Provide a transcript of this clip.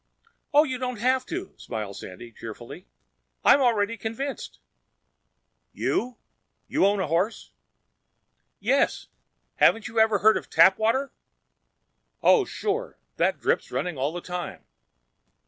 "Oh, you don't have to," smiled Sandy cheerfully. "I'm already convinced." "You? You own a horse?" "Yes. Haven't you ever heard of Tapwater?" "Oh, sure! That drip's running all the time!"